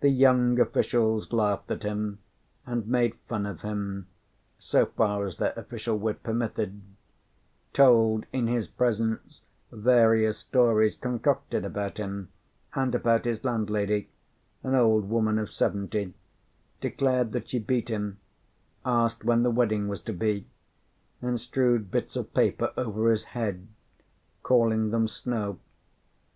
The young officials laughed at and made fun of him, so far as their official wit permitted; told in his presence various stories concocted about him, and about his landlady, an old woman of seventy; declared that she beat him; asked when the wedding was to be; and strewed bits of paper over his head, calling them snow.